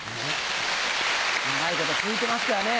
長いこと続いてますからね。